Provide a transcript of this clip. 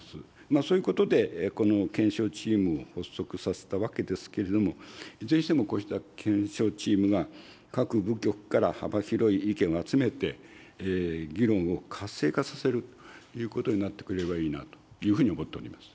そういうことで、この検証チームを発足させたわけですけれども、いずれにしても、こうした検証チームが、各部局から幅広い意見を集めて、議論を活性化させるということになってくればいいなというふうに思っております。